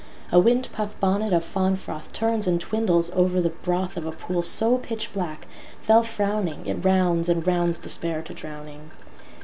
A windpuff bonnet of fáwn fróthTurns and twindles over the brothOf a pool so pitchblack, féll frówning, It rounds and rounds Despair to drowning.